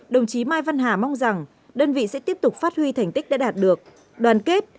đồng chí mai văn hà mong rằng đơn vị sẽ tiếp tục phát huy thành tích đã đạt được đoàn kết